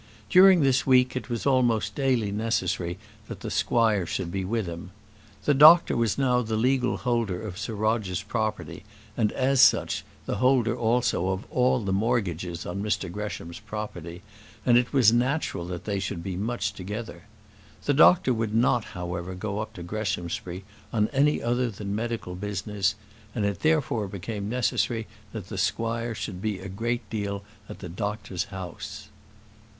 During this week it was almost daily necessary that the squire should be with him. The doctor was now the legal holder of Sir Roger's property, and, as such, the holder also of all the mortgages on Mr Gresham's property; and it was natural that they should be much together. The doctor would not, however, go up to Greshamsbury on any other than medical business; and it therefore became necessary that the squire should be a good deal at the doctor's house.